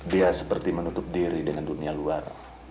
dia seperti menutup diri dengan dunia luar